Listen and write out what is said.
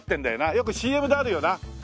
よくＣＭであるよな。